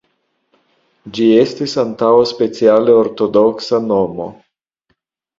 Ĝi estis antaŭe speciale ortodoksa nomo.